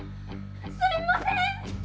すみません！